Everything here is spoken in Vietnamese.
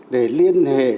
để liên hệ